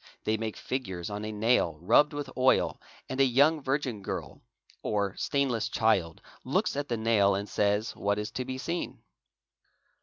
_ they make figures on a nail rubbed with oil and a young virgin girl or stainless child looks at the nail and says what is to be seen."